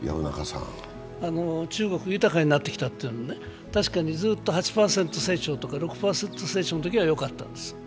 中国、豊かになってきたというので、確かにずっと８％成長とか６％成長のときはよかったんです。